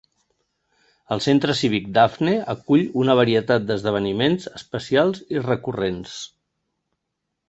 El centre cívic Daphne acull una varietat d'esdeveniments especials i recurrents.